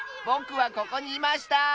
ぼくはここにいました！